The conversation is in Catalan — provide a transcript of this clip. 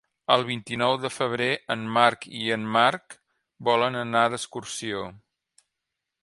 El vint-i-nou de febrer en Marc i en Marc volen anar d'excursió.